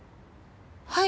はい。